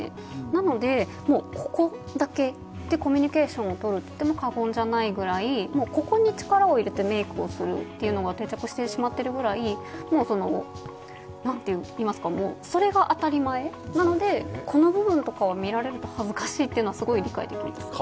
なのでここだけでコミュニケーションをとると言っても過言じゃないくらいここに力を入れてメイクをするのが定着してしまっているぐらい、それが当たり前なので、この部分とかを見られるのが恥ずかしいというのはすごい理解できます。